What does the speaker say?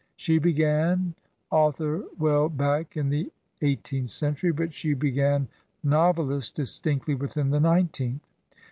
She began author Well back iri the eighteenth century, but she began nov eUst distinctly within the nineteenth.